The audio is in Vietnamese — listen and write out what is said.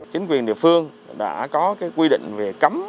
chính quyền địa phương đã có quy định về cấm